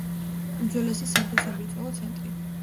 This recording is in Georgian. უძველესი სამთო-სამრეწველო ცენტრი.